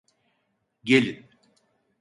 Gelin.